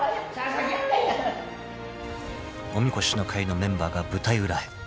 ［おみこしの会のメンバーが舞台裏へ］